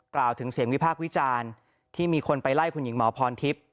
กล่าวถึงเสียงวิพากษ์วิจารณ์ที่มีคนไปไล่คุณหญิงหมอพรทิพย์